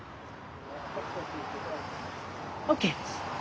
ＯＫです。